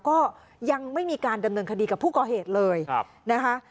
ก็ยังไม่มีการดำเนินคดีกับผู้ก่อเหตุเลยนะคะ